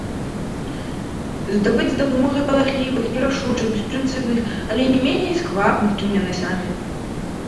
Здабыць з дапамогай палахлівых, нерашучых, беспрынцыпных, але не меней сквапных, чым яны самі.